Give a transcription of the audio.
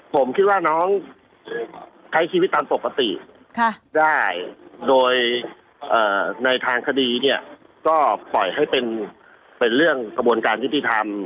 ผมคิดว่าน้องใช้ชีวิตตามปกติได้โดยในทางคดีเนี่ยก็ปล่อยให้เป็นเรื่องกระบวนการยุติธรรม